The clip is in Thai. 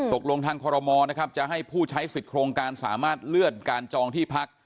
ตกลงทางคอรมอลนะครับจะให้ผู้ใช้สิทธิ์โครงการสามารถเลื่อนการจองที่พัก